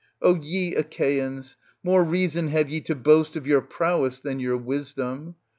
O ye Achaeans, more reason have ye to boast of your prowess than your wisdom